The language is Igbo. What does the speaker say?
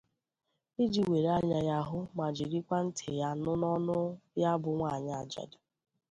iji were anya ya hụ ma jirikwa ntị ya nụ n'ọnụ ya bụ nwaanyị ajadụ